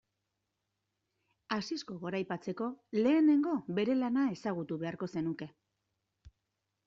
Asisko goraipatzeko lehenengo bere lana ezagutu beharko zenuke.